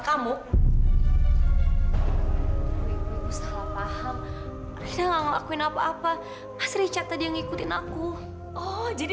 kau yang apa disini